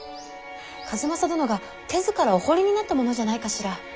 数正殿が手ずからお彫りになったものじゃないかしら。